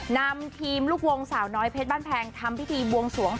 นำทีมลูกวงสาวน้อยเพชรบ้านแพงทำพิธีบวงสวง